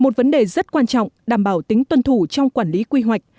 một vấn đề rất quan trọng đảm bảo tính tuân thủ trong quản lý quy hoạch